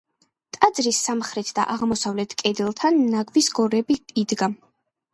ტაძრის სამხრეთ და აღმოსავლეთ კედელთან ნაგვის გორები იდგა.